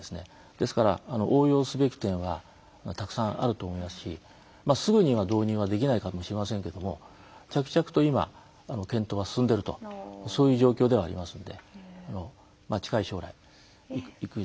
ですから応用すべき点はたくさんあると思いますしすぐには導入はできないかもしれませんけども着々と今検討は進んでいるとそういう状況ではありますんで近い将来。